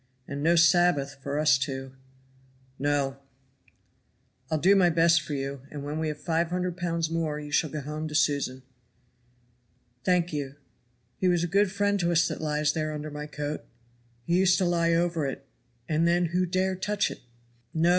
"And no Sabbath for us two." "No!" "I'll do my best for you, and when we have five hundred pounds more you shall go home to Susan." "Thank you. He was a good friend to us that lies there under my coat; he used to lie over it, and then who dare touch it?" "No!